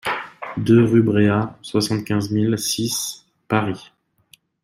deux rue Bréa, soixante-quinze mille six Paris